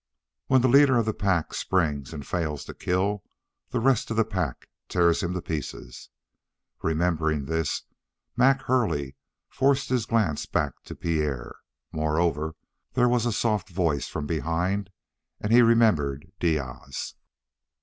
When the leader of the pack springs and fails to kill, the rest of the pack tear him to pieces. Remembering this, Mac Hurley forced his glance back to Pierre. Moreover, there was a soft voice from behind, and he remembered Diaz.